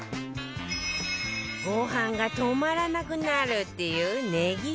ご飯が止まらなくなるっていうねぎ塩ダレ